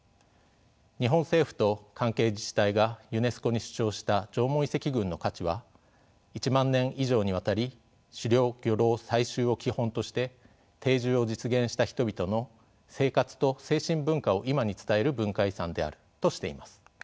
日本政府と関係自治体がユネスコに主張した縄文遺跡群の価値は「１万年以上にわたり狩猟漁労採集を基本として定住を実現した人々の生活と精神文化を今に伝える文化遺産である」としています。